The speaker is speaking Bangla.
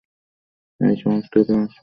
এ-সমস্তই তাঁহার সন্ধ্যার সময়কার কাজ ছিল।